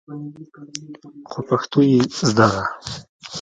خو پښتو يې زده ده.